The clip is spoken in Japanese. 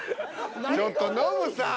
ちょっとノブさん。